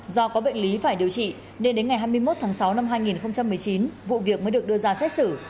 do có bệnh lý phải điều trị nên đến ngày hai mươi một tháng sáu năm hai nghìn một mươi chín vụ việc mới được đưa ra xét xử